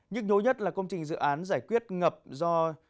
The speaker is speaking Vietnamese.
nhức nhối nhất là công trình dự án giải quyết ngập do